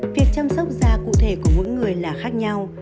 việc chăm sóc da cụ thể của mỗi người là khác nhau